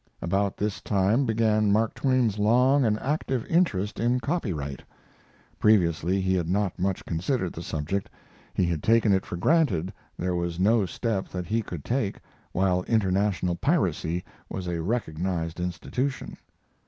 About this time began Mark Twain's long and active interest in copyright. Previously he had not much considered the subject; he had taken it for granted there was no step that he could take, while international piracy was a recognized institution.